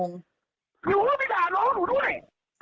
มึงก็ไปด่าร้องกันนู้นด้วย